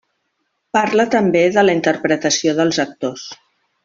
Parla també de la interpretació dels actors.